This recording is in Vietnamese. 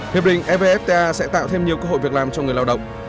hiệp định evfta sẽ tạo thêm nhiều cơ hội việc làm cho người lao động